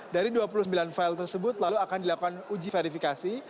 dari dua puluh sembilan file tersebut lalu akan dilakukan uji verifikasi